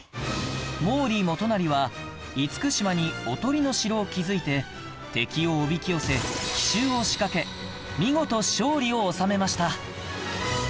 毛利元就は厳島に囮の城を築いて敵をおびき寄せ奇襲を仕掛け見事勝利を収めました